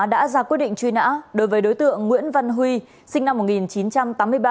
đã ra quyết định truy nã đối với đối tượng nguyễn văn huy sinh năm một nghìn chín trăm tám mươi ba